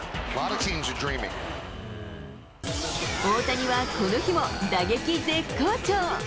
大谷はこの日も打撃絶好調。